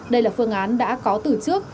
đây là phương án đã có từ trước